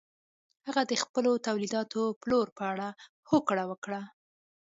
هغه د خپلو تولیداتو پلور په اړه هوکړه وکړه.